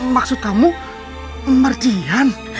maksud kamu mardian